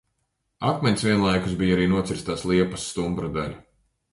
Akmens vienlaikus bija arī nocirstās liepas stumbra daļa...